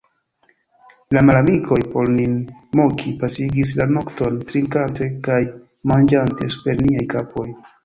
La malamikoj, por nin moki, pasigis la nokton trinkante kaj manĝante super niaj kapoj.